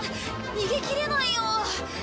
逃げ切れないよ。